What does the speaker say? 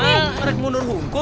nggak mereka mau nunggu